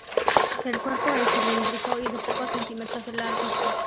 El cuerpo es cilíndrico y de pocos centímetros de largo.